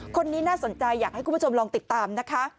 คนนี้น่าสนใจอยากให้คุณผู้ชมลองติดตามนะคะ